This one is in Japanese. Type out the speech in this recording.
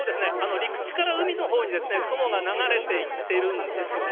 陸地から海のほうに雲が流れていってるんですよね。